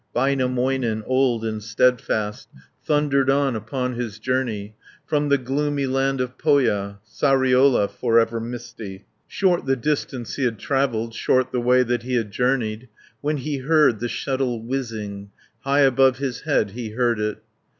Väinämöinen, old and steadfast, Thundered on upon his journey, From the gloomy land of Pohja, Sariola for ever misty. 20 Short the distance he had travelled, Short the way that he had journeyed, When he heard the shuttle whizzing, High above his head he heard it.